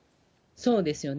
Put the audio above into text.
そうですよね。